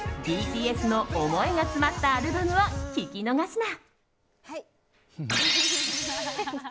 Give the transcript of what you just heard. ＢＴＳの思いが詰まったアルバムを聞き逃すな。